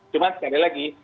cuma sekali lagi